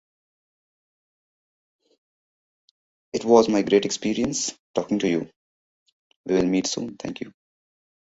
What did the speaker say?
Credits adapted from Tidal metadata.